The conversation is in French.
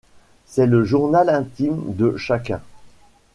C'est le journal intime de chacun.